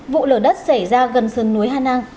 vụ lở đất xảy ra gần sơn núi hanang